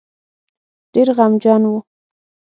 ډېر غمجن وو.